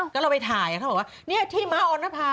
เราก็ไปถ่ายเขาบอกว่านี่ที่ม้าอ่อนรัฐา